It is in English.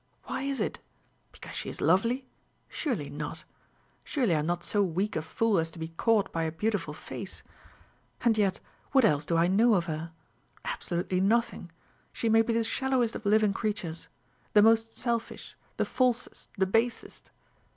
Why is it? Because she is lovely? Surely not. Surely I am not so weak a fool as to be caught by a beautiful face! And yet what else do I know of her? Absolutely nothing. She may be the shallowest of living creatures the most selfish, the falsest, the basest.